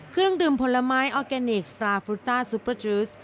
เครื่องดื่มผลไม้ออร์แกนิคสตราฟรุต้าซุปเปอร์จริส